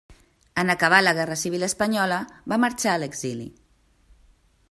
En acabar la guerra civil espanyola va marxar a l'exili.